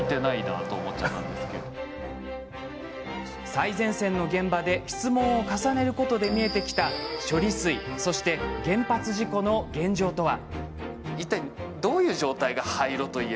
最前線の現場で質問を重ねることで見えてきた処理水、そして原発事故の現状とは。